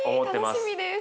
楽しみです。